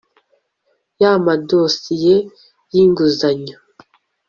y amadosiye y inguzanyo